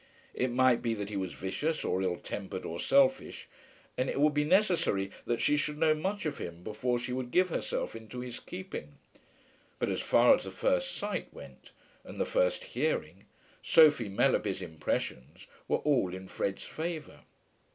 It might be that he was vicious, or ill tempered, or selfish, and it would be necessary that she should know much of him before she would give herself into his keeping; but as far as the first sight went, and the first hearing, Sophie Mellerby's impressions were all in Fred's favour.